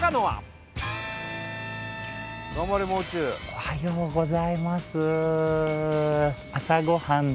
おはようございます。